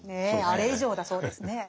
あれ以上だそうですね。